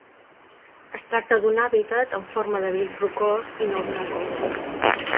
Es tracta d'un hàbitat en forma d'abric rocós, i no d'una cova.